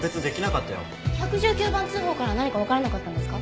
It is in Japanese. １１９番通報から何かわからなかったんですか？